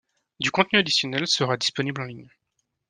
Du contenu additionnel sera disponible en ligne.